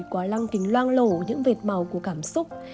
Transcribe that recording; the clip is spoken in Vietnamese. quá lăng kính loang lổ những vệt màu của cảm xúc